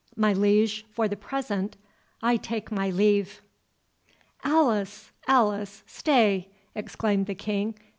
My liege, for the present I take my leave." "Alice, Alice—stay!" exclaimed the King.